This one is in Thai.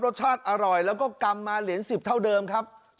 รสชาติอร่อยแล้วก็กำมาเหรียญ๑๐เท่าเดิมครับ